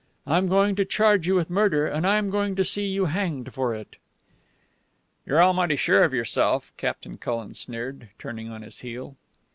"I am going to charge you with murder, and I am going to see you hanged for it." "You're almighty sure of yourself," Captain Cullen sneered, turning on his heel.